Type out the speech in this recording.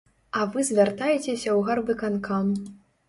А вы звяртайцеся ў гарвыканкам.